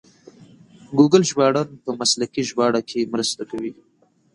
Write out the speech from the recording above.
ګوګل ژباړن په مسلکي ژباړه کې مرسته کوي.